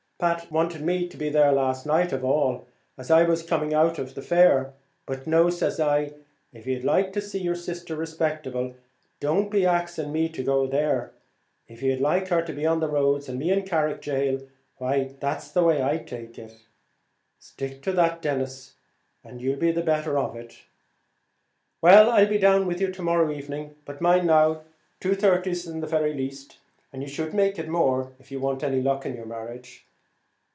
Pat wanted me to be there last night of all, as I was coming out of the fair; but, no, says I; if ye'd like to see yer sister respectable, don't be axing me to go there; if ye'd like her to be on the roads, and me in Carrick Gaol, why that's the way, I take it." "Stick to that, Denis, and you'll be the better of it. Well, I'll be down with you to morrow evening; but mind now, two thirties is the very least; and you should make it more, if you want any luck in your marriage."